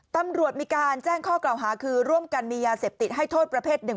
ตำรวจมีการแจ้งข้อกล่าวหาคือร่วมกันมียาเสพติดให้โทษประเภทหนึ่ง